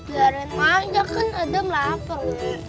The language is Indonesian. biarin aja kan adam lapar